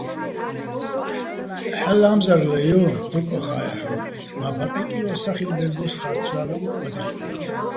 "ჰალო̆ ლა́მზარლა, ჲო!" - დო კოხა́ ჲაჰ̦ოვ, მა ბაყეკი ო სახილბელ ბოს ხა́რცლა́ლო̆ ბადრიგო.